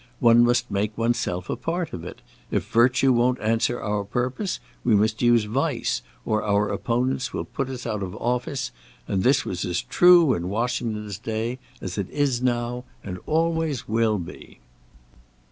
One must make one's self a part of it. If virtue won't answer our purpose, we must use vice, or our opponents will put us out of office, and this was as true in Washington's day as it is now, and always will be."